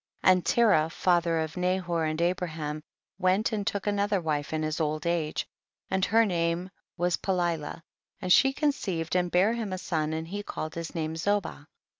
And Terah father of Nahor and Abraham went and took another wife in his old age, and her name was Pelilah, and she conceived and bare him a son and he called his name Zoba.